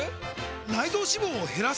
内臓脂肪を減らす！？